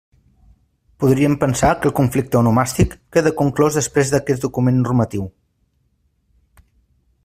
Podríem pensar que el conflicte onomàstic queda conclòs després d'aquest document normatiu.